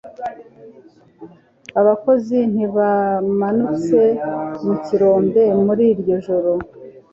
Abakozi ntibamanutse mu kirombe muri iryo joro.